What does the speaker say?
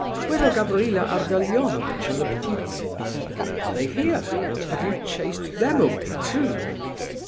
Where are Gavrila Ardalionovitch and the Ptitsins? Are they here? Have you chased them away, too?"